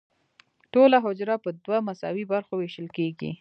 ټوله حجره په دوه مساوي برخو ویشل کیږي.